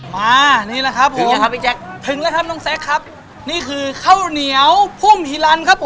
มานี่แหละครับผมครับพี่แจ๊คถึงแล้วครับน้องแซคครับนี่คือข้าวเหนียวพุ่มฮิลันครับผม